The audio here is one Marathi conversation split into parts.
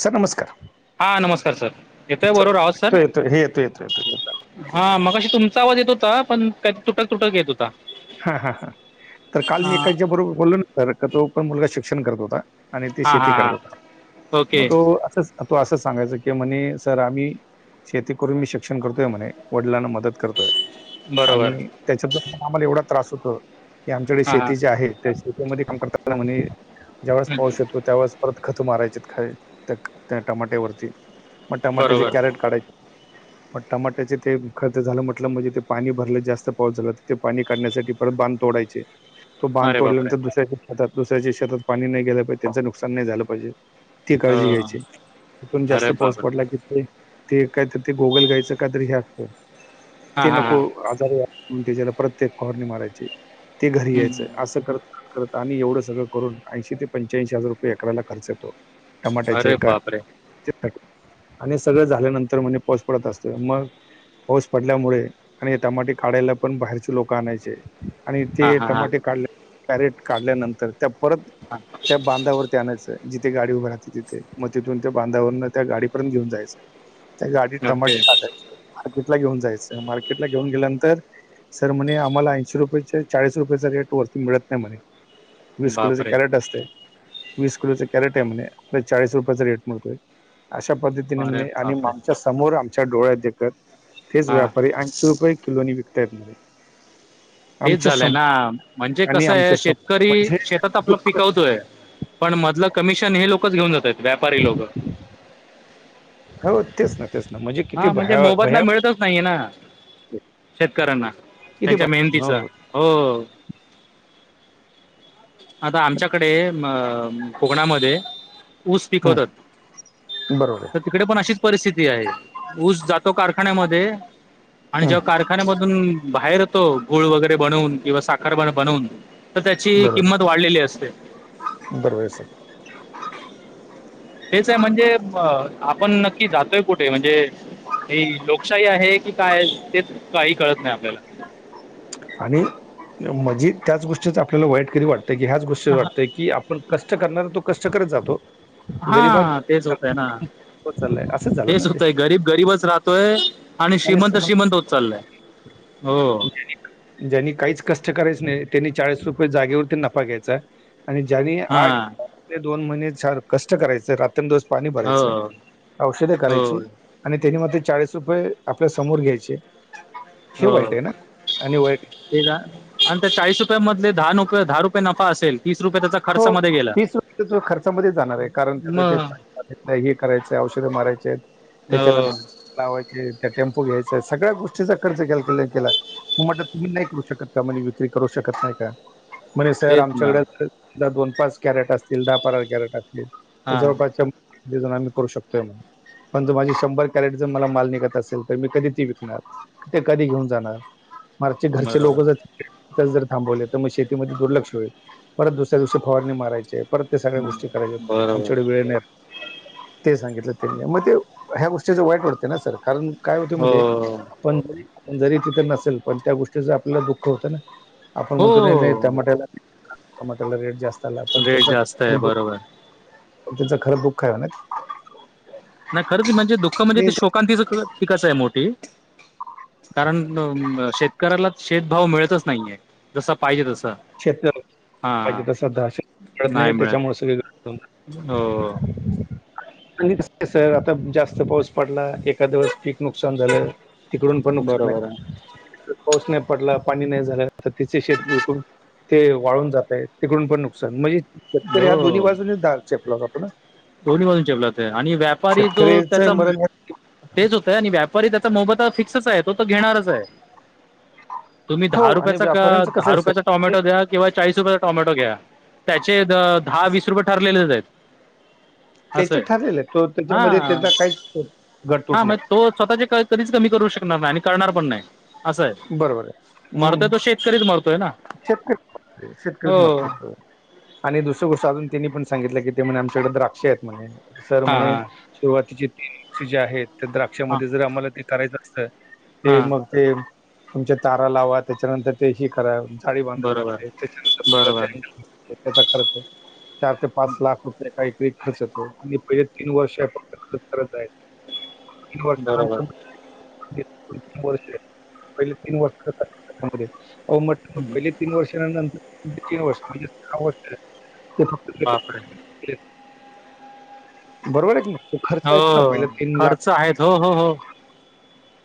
सर नमस्कार! हा नमस्कार सर येतोय बरोबर आवाज सर? येतो येतो हे येतो येतो येतो येतो. हा मगाशी तुमचा आवाज येत होता पण त्या तुटक-तुटक येत होता. हा हा हा तर काल मी हां एकाच्या बरोबर बोललो ना तर तो पण मुलगा शिक्षण करत होता. आणि ते हां शेती हां करत होता हां ओके मग तो अस तो असं सांगायच कि म्हणे सर आम्ही शेती करून मी शिक्षण करतोय म्हणे वडिलांना मदत करतोय. बरोबर आणि त्याच्याब आम्हाला एवढा त्रास होतो की आमच्याकडे हां हां शेतीचे आहेत शेतीमध्ये काम करताना म्हणे ज्यावळेस हं, पाऊस हं. येतो. [unintelligible] त्यावेळेस परत खत मारायचेत खय त्यि टमाट्यावरती. मग टमाट्याचे बरोबर कॅरेट काढा मग टमाट्याचे ते खर्च झालं म्हटलं म्हणजे ते पाणी भरले जास्त पाऊस झाला तर ते पाणी काढण्यासाठी परत बांध तोडायचे तो बाध अरे बापरे तोडल्यानंतर दुसऱ्या आता दुसऱ्याच्या शेतात पाणी नाही गेल पाहिेजे त्यांच नुकसान नाही झालं पाहिजे. हो काळजी घ्यायची तिथून जास्त अरे बापरे पडला की ते कायत गोगलगायचं कायतरी हे असतं हां ते हां हां नको आजार त्याच्याला प्रत्येक फवारणी मारायचे ते घरी हं, यायचं हं. असं करत करत आणि एवढं सगळं करून ऐंशी ते पंच्याऐंशी हजार रुपये एकराला खर्च येतो. टमाट्याचे अरे एका बापरे [unintelligible] आणि सगळं झाल्यानंतर म्हणे पाऊस पडत असतो मग पाऊस पडल्यामुळे आणि टमाटे काढायला पण बाहेरचे लोक कानायचे आणि हां ते हां हां टमाटे काढल्या कॅरेट काढल्यानंतर त्या परत हा त्या [unintelligible] बांधावरती आणायचं जिथे उभी राहते तिथे मग तिथून त्या बांधावरं त्या गाडी पर्यंत घेऊन जायचं. हं [unintelligible] त्या गाडीत ओके टमाटे टाकायचे मार्केटला घेऊन जायचं मार्केटला घेऊन गेल्यानंतर सरम्हण आम्हाला ऐंशी रुपये चे चाळीस रुपयाचा रेट वरती मिळत नाही म्हणे. विस किलोच बापरे कॅरेट असतय. वीस किलोच कॅरेट आहे म्हणे त्यात चाळीस रुपयाचा रेट मिळतोय अशा पद्धतीने अरे म्हणे आणि बापरे आमच्या समोर आमच्या डोळ्या देखत तेच हां व्यापारी ऐशी रुपये किलो नि विकतायत म्हणे. तेच आमच्या झालंय ना समोर म्हणजे आणि कसय आमच्या समोर शेतकरी म्हणजे शेतात आपलं दुःख पिकवतोय पण मधलं कमिशन हे लोकच घेऊन जातात व्यापारी लोक. होतेच ना. तेच ना म्हणजे किती हा म्हणजे भया मोबदला भया मिळतच नाहीये ना. शेतकऱ्यांना किती त्यांच्या भया मेहनतीच. हो आता आमच्याकडे. कोकणा मध्ये ऊस हं, पिकवतात बरोबर तर आहे तिकडे पण अशीच परिस्थिती आहे. ऊस जातो कारखान्यामध्ये आणि हं, जेव्हा कारख कारखान्यामधून बाहेर येतो गूळ वगैरे बनवून किंवा साखर बनवून. तर त्याची बरोबर किंमत वाढलेली असते. बरोबर आहे सर. तेच आहे म्हणजे आपण नक्की जातोय कुठे म्हणजे- हे लोकशाही आहे की काय तेच काही कळत नाही आपल्याला आणि म्हजी त्याच गोष्टीच आपल्याला वाईट कधि वाटतंय की ह्याच गोष्टी वाटतंय की आप पण कष्ट करणार तो कष्ट करत जातो. हा तेच होतय ना. होत चाल लय असच जा. हेच होतय गरीब गरीबच राहतोय आणि श्रीमंत श्रीमंत होत चाललाय. हो. ज्यांनी काहीच कष्ट करायच नाही त्यांनी चाळीस रुपये जागेवरती नफा घ्यायचा. आणि ज्याने हा आठ ते दोन महिने कष्ट करायचे रात दोन दिवस पाणी भरायचं हो औषधे हो करायची. आणि त्यानी मग ते चाळीस रुपये आपल्या समोर घ्यायचे हे हो वाईट आहे ना आणि वाईट आणि त्या चाळीस रुपया मधले दहा न दहा रुपये नफा असेल तीस रुपये त्याचा. हो खर्चामध्ये गेला तीस रुपये त्याच खर्चामध्ये जाणार आहे कारण त्याच. मग हे करायचं औषधे मारायचे आहेत. हो. त्याच्यानंतर लावायचे त्या टेम्पो घ्यायचा सगळ्या गोष्टीचा खर्च केला त्यांनी. मग म्हटलं तुम्ही नाही करू शकत का म्हणजे विक्री करू शकत नाही का. म्हणे सर तेच ना आमच्याकडे दोन पाच कॅरेट असतील दहा पंधरा कॅरेट असतील. हा जवळ पासच्या जण आम्ही करू शकतोय म्हणी. पण जर माझी शंभर कॅरेट जर मला माल निघत असेल तर मी कधी ती विकणार. ते कधी घेऊन जाणार. मागचे घरचे बरोबर लोक जर जर थांबवले तर मग शेतीमध्ये दुर्लक्ष होईल परत दुस तर दुसरी फवारणी मारायचि आहे परत ते सगळ्या गोष्टी करायच्या हम्म, आहेत बरोबर आमच्याकडे वेळ नाही. ते सांगितलं त्यांनी मग ते ह्या गोष्टीच वाईट वाटतं ना सर कारण काय होते माहिती हो आहे पण जरी तिथं नसेल पण त्या गोष्टीच आपल्याला दुःख होतं ना. आपण मध्ये नाही नाही हो टमाट्याला. लगेच जास्त त्याला पण रेट जास्त आहे परत बरोबर त्यांचा दुख आहे ना. नाही खरंच म्हणजे दुख आणि म्हणजे ते शोकांतीच पिकच आहे मोठी. कारण शेतकऱ्याला शेतभाव मिळतच नाहीये जसं पाहिजे तसं. शेत पाहिजे तसं नाही त्याच्यामुळे मिळत सगळे ग. हो आणि कसं जास्त पाऊस पडला एक. एखा दिवस पीक नुकसान झालं तिकडून पण नुकसान आहे. बरोबर पाऊस नाही पडला पाणी नाही झालं तर तिचे शेत बर करून. ते वाळून जातात तिकडून पण नुकसान म्हणजे आहे शेतकरी हा दोन्ही हो बाजून दा चेपलात जात ना. दोन्ही बाजून चेपलात आहे आणि व्यापारी तो शेतकऱ्याचं त्याचा म मरण तेच होतंय आणि व्यापारी त्याचा मोबतं फिक्सच आहे तो तर घेणारच आहे. तुम्ही दहा हो आणि रुपयाचा का व्यापाऱ्यांचं कसं दहा आहे सर रुपयाचा टॉमॅटो द्या किंवा चाळीस रुपया टॉमॅटो घ्या त्याचे द दहा वीस रुपये ठरलेलेच आहेत. असं त्याचे आहे ठरलेले तो त्याच्यामध्ये हा त्याचा काहीच गडतूट हा म नाही तो स्वतचे का कधीच कमी करू शकणार नाही आणि करणार पण नाय. बरोबर आहे. हम्म शेतकरीच मरतोय ना शेतकर शेतकरी हो महत्त्वच आणि दुसरी गोष्ट अजून त्यांनी पण सांगितलं की ते म्हणे आमच्याकडे द्राक्ष आहेत म्हणे सर हां म्हणेे हां सुरुवातीचे ती जे आहेत त्या हां द्राक्षामध्ये जर आम्हाला ते करायचं असतं ते हां मग ते तुमच्या तारा लावा त्याच्यानंतर ते हे करा साडी बांधावी बरोबर लागते त्याच्यानंतर बरोबर तुम्हाला त्याचा खर्च चार ते पाच लाख रुपये काही तरी खर्च येतो आणि पहिले तीन वर्ष आहे फक्त खर्च करत आहेत. तीन बरोबर वर्षानंतर. [unintelligible] पहिला तीन वर्ष. हम्म. [unintelligible] तीन वर्षा नंतर तीन वर्ष म्हणजे सहा वर्ष बापरे ते बरोबर आहे की नाय. तो खर्च येतो ना हो पहिला तीन लाख खर्च [inaudible] आहेत हो हो हो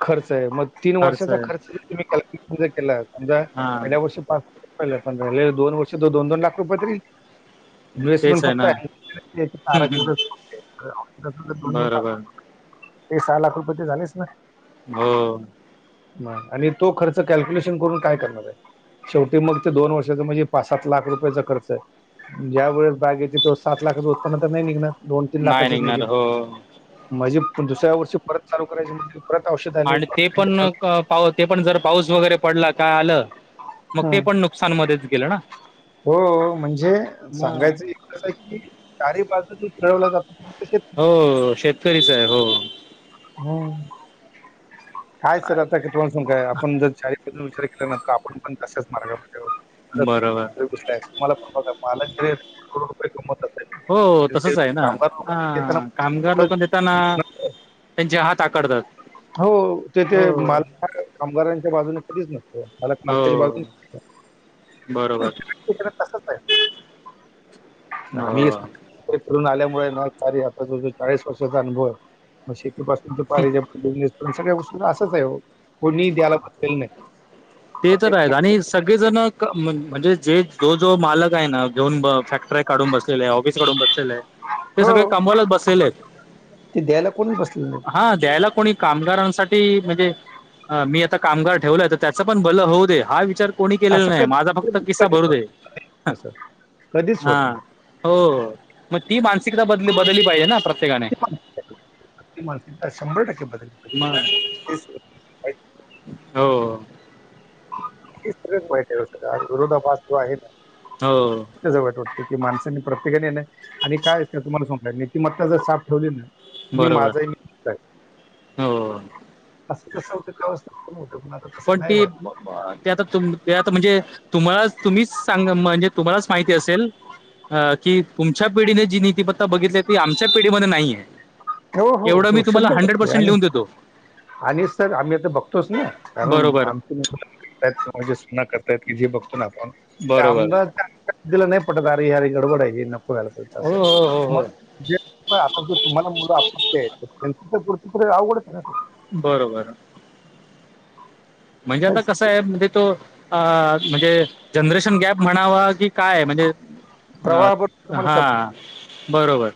खर्च आहे मग तीन वर्षाचा खर्च तुम्ही कॅल्क्युलेशन जर केला समजा हा पहिल्या व र्षे पहिला आपण धरलेलं दोन वर्ष दोन दोन लाख रुपय तरी तेच आहे ना हम्म, हम्म. बरोबर [unintelligible] ते सहा लाख रुपये ते झालेच ना. हो. नाय आणि तो खर्च कॅल्क्युलेशन करून काय करणार आहे. शेवटी मग ते दोन वर्षाचा म्हणजे पाच सात लाख रुपयाचा खर्च आहे. ज्या वेळेस बॅग येते तो सात लाखाचं उत्पन्न तर नाही निघणार दोन-तीन नाही लाखाचच निघणार निघेल. हो मझे पण दुसऱ्या वर्षी परत चालू करायची म्हणजे परत औषध आले, आणि ते परत पण पा ते पण जर पाऊस वगैरे पडला काय आलं मग ते आले. पण नुकसानमध्येच गेलं. ना हो म्हणजे मग सांगायचं [inaudible] कसं आहे की चारी बाजूने खेळवला जातात. [unintelligible] हो शेत करी काय हो. हम्म काय सर आता क [unintelligible] काय आपण जर चारी [unintelligible] विचार केलानंतर आपण पण तसंच मार्गावर. [unintelligible] बरोबर. टॅक्स तुम्हाला पण बघा पालक जे करोड रुपये कमवतात हो तसच आहे ना अ देताना कामगार थोडं लोकं देताना त्यांचे हात आकडतात. हो ते ते हो माल [inaudible] कामगारांच्या बाजूने कधीच न मालक मालकाची हो बाजु बरोबर [unintelligible] तसच आहे. हो [unintelligible] ते करून आल्यामुळे ना तरी आता जो जो चाळीस वर्षाचा अनुभव आहे म शेतीपासून ते. [unintelligible] बिजनेस त्यांच्या काय गोष्टीच असंच आहे ओ कोणी द्यायला बसलेलं नाही. सगळे जण म्हणजे जे जो जो मालक आहे ना घेऊन फॅक्टर्या काढून बसला ऑफीस काढून बसलेला आहे. ते हो सगळे कमवालाच बसलेले आहेत ते द्यायला कोणी बसलेलं नाही हा द्यायला कोणी कामगारांसाठी म्हणजे मी आता कामगार ठेवलाय तर त्याच पण भलं होऊ दे हा विचार कोणी केलेला नाही माझा कधी फक्त किसा कधीच भरू होत दे. असं कधीच हा होत नाही. हो मग ती मानसिकता बदली बदलली पाहिजे ना प्रत्येकाने. हि मानसिकता शंभर टक्के बदली मग पाहिजेत. हो. ते सगळच माहित आहे सगळ विरोधापास तो आहे ना हो. त्याच वाईट वाटतं की माणसांनी प्रत्येकाने येणं आणि काय असं तुम्हाला सांगू का नीतिमत्ता जर साफ ठेवली ना मी बरोबर माझाही मी तुझा हो. [unintelligible] पण ती राहिलं. ते आता तूम ते आता म्हणजे तुम्हाला तुम्हीच सांग म्हणजे तुम्हालाच माहिती असेल. हा कि तुमच्या पिढीने जी नीतिमत्ता बघितली ती आमच्या पिढीमध्ये नाहीये. हो हो एवढं मी हो तुम्हाला शंभर हंड्रेड टक्के पर्सेंट आणि लिहून देतो. आणि सर आम्ही आता बघतोच ना कारण बरोबर आमची [unintelligible] सुना करतायत कि जे बघतो ना आपण ते बरोबर आमद [unintelligible] दिल नाही पटत अरे यार गडबड आहे ह नको [unintelligible] हो हो हो हो आता ज तुम्हाला मुलं अपक्ष आहे त्यांच्या गोष्ट अवघडच आहे [unintelligible] बर बर. म्हणजे आता तेच कस आहे म्हणजे तो अ म्हणजे जनरेशन गॅप म्हणावा की काय म्हणजे अ प्रवाहाबरोबर तुम्हाला हा सप बरोबर.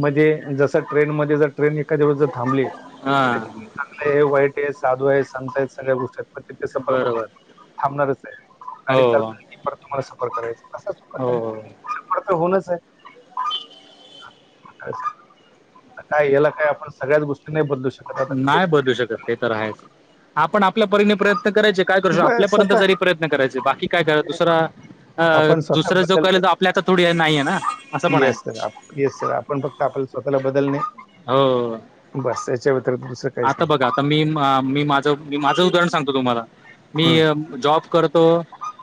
म्हणजे जस ट्रेन मध्ये जर ट्रेन एखाद्या वेळेस जर थांबली हा चांगलं आहे वाईट आहे साधू आहे संत आहे सगळ्या गोष्टी आहेत पण तिथ सफर मध्ये बरोबर थांबणारच आहे. गाडी हो चालवल की परत तुम्हाला सफर करायच असंच हो हो. सफर तर होणच आहे [unintelligible] [unintelligible] काय याला काय आपण सगळ्याच गोष्टी नाही बदलू शकत. आता कसं नाय बदलू शकत ते तर आहेच. आपण आपल्या परीने प्रयत्न करायचे काय करू शक बस आपल्यापर्यंत स्वतः तरी प्रयत्न करायचे बाकी काय कराय दुसरा अ आपण स्वतः दुसरं जो करेल बदलणे ते आपल्या हातात थोडी नाहीय ना असं पण आहे. येस सर येस सर आपण फक्त आपला स्वतःला बदलणे. हो. बस याच्या व्यतिरिक्त दुसरं काहीच आता नाही बघा आता मी मी माझं मी माझं उदाहरण सांगतो तुम्हाला मी हम्म. जॉब करतो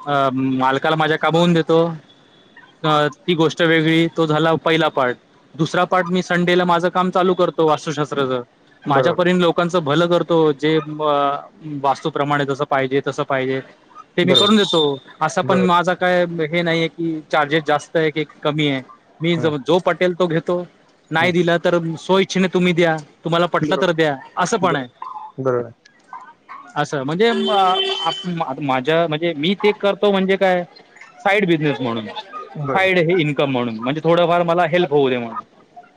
अ मालकाला माझ्या काबवून देतो. अ ती गोष्ट वेगळी तो झाला पहिला पार्ट. दुसरा पार्ट चालू मी संडेला माझं काम चालू करतो वास्तुशास्त्राचं माझ्या बरोबर लोकांच भलं करतो जे ब वास्तूप्रमाणे जस पाहिजे तस पाहिजे. ते आहे. मी बरोबर करून आहे. देतो असं पण बरोबर आहे. माझा काय हे नाहीये की चार्जेस जास्त आहे की कमी आहे. मी हम्म. जो पटेल तो घेतो नाही दिला तर स्व इच्छेने तुम्ही द्या तुम्हाला हम्म. पटलं त बरोबर द्या असं पण आहे. [inaudible] [unintelligible] असं म्हणजे आ प मा माझ्या म्हणजे मी ते करतो म्हणजे काय साईड बिझनेस म्हणून बरोबर साईड आहे. हे इनकम म्हणून म्हणजे थोडंफार मला हेल्प होऊ दे म्हणून.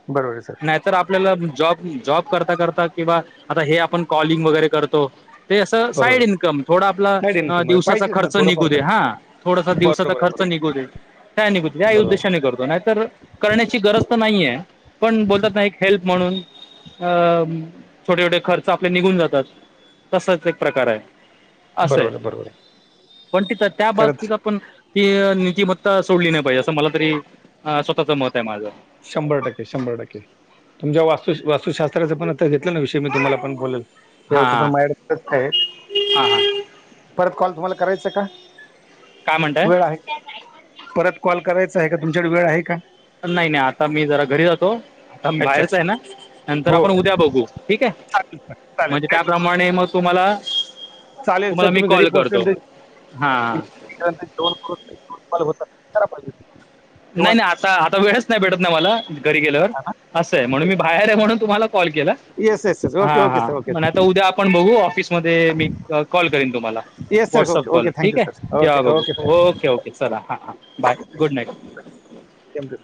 बरोबर आहे सर. तर आपल्याला जॉब जॉब करता करता किंवा आता हे आपण कॉलिंग वगैरे करतो. ते असं बरोबर साईड आहे इन्कम थोडा आपला नाही डेन अ कुमार दिवसाचा पाहिजेच ना खर्च निघू थोडंफार दे तरी हा. थोडासा दिवसाचा बरोबर आहे खर्च बरोबर निघू दे ह्या आणि काय निघूते याही बरोबर उद्देशाने करतो नाहीतर करण्याची गरज तर नाही आहे पण बोलतात ना एक हेल्प म्हणून अम छोटे छोटे खर्च आपले निघून जातात तसाच एक प्रकार आहे. असं आहे बरोबर बरोबर आहे पण तिथं त्या खरंच बाबतीत आपण ती नित्तिमत्ता सोडली नाही पाहिजे असं मला तरी अ स्वतःच मत आहे माझं. शंभर टक्के शंभर टक्के. तुमच्या वास्तु वास्तुशास्त्रचं पण आत्ता घेतलं ना विषय मी तुम्हाला पण बोलेल. शेवटचं हां पण माझ्याकडं सष्ट आहे. हां हां परत कॉल तुम्हाला करायचं का काय म्हणताय वेळ आहे. परत कॉल करायचा आहे का तुमच्याकडे वेळ आहे का? नाही नाही आता मी जरा घरी जातो. आता म अच्छा बाहेरच आहे ना नंतर हो आपण उद्या बघू ठीक आहे चालेल चालेल म्हणजे नाही तर त्याप्रमा म आणि मग तुम्हाला चालेल सर तुम्हाला मी तुम्ही घरी कॉल करतो पोहोचल्यानंतर हा. [unintelligible] नाही जेवण नाही आता आता वेळच नाही भेटत ना मला घरी गेल्यावर. असंय म्हणून मी बाहेर आहे म्हणून तुम्हाला कॉल केला. Yes yes yes. हा ओके ओके हा सर ओके पण आता उद्या आपण बघू ऑफिसमध्ये मी कॉल करीन तुम्हाला. Yes sir WhatsApp okay call okay ठीक थँक्यू आहे सर तेव्हा ओके बघू सर ओके ओके चला हा हां bye good night. Thank you.